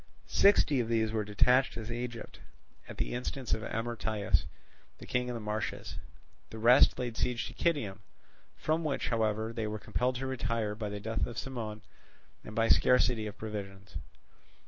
Sixty of these were detached to Egypt at the instance of Amyrtaeus, the king in the marshes; the rest laid siege to Kitium, from which, however, they were compelled to retire by the death of Cimon and by scarcity of provisions.